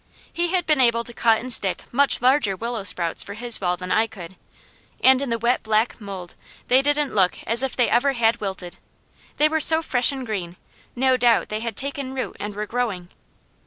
He had been able to cut and stick much larger willow sprouts for his walls than I could, and in the wet black mould they didn't look as if they ever had wilted. They were so fresh and green, no doubt they had taken root and were growing.